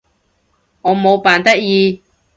我冇扮得意